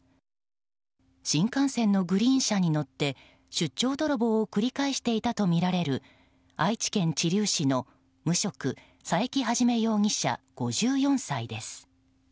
新幹線のグリーン車に乗って出張泥棒を繰り返していたとみられる愛知県知立市の無職佐伯一容疑者、５４歳です。